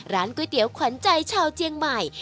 ร้านก๋วยเตี๋ยวขวัญใจชาวเจียงใหม่